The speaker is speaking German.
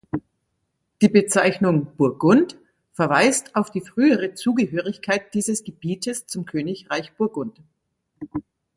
Die Bezeichnung «Burgund» verweist auf die frühere Zugehörigkeit dieses Gebietes zum Königreich Burgund.